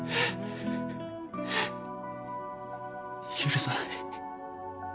許さない。